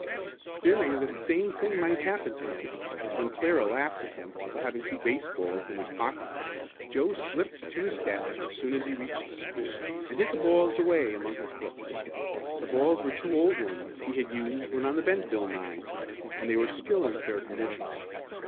Fearing that the same thing might happen to him as when Clara laughed at him for having the two baseballs in his pockets, Joe slipped to his desk as soon as he reached the school, and hid the balls away back among his books. The balls were two old ones he had used when on the Bentville nine, and they were still in fair condition.